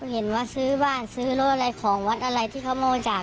เห็นว่าซื้อบ้านซื้อรถอะไรของวัดอะไรที่เขามองจาก